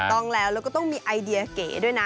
ต้องแล้วแล้วก็ต้องมีไอเดียเก๋ด้วยนะ